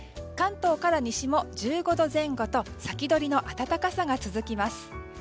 関東から西も１５度前後と先取りの暖かさが続きます。